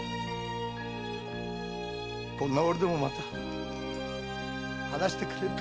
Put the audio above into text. こんな俺でもまた話してくれるか。